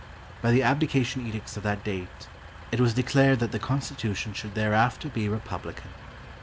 By the Abdication Edicts of that date, it was declared that the constitution should thereafter be republican.